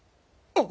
あ！